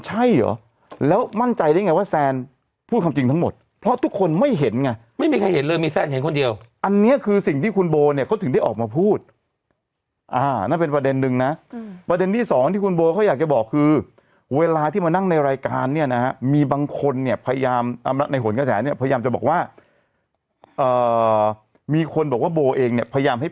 ใช่เหรอแล้วมั่นใจได้ไงว่าแซนพูดความจริงทั้งหมดเพราะทุกคนไม่เห็นไงไม่มีใครเห็นเลยมีแซนเห็นคนเดียวอันนี้คือสิ่งที่คุณโบเนี่ยเขาถึงได้ออกมาพูดอ่านั่นเป็นประเด็นนึงนะประเด็นที่สองที่คุณโบเขาอยากจะบอกคือเวลาที่มานั่งในรายการเนี่ยนะฮะมีบางคนเนี่ยพยายามในหนกระแสเนี่ยพยายามจะบอกว่ามีคนบอกว่าโบเองเนี่ยพยายามให้